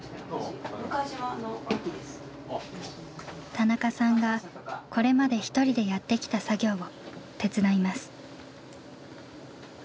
田中さんがこれまで１人でやってきた作業を手伝います。